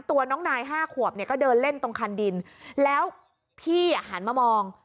ตัวน้องนายห้าขวบเนี่ยก็เดินเล่นตรงคันดินแล้วพี่อ่ะหันมามอง